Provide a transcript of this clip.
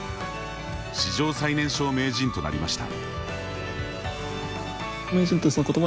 史上最年少名人となりました。